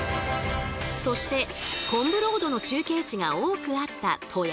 そして昆布ロードの中継地が多くあった富山県。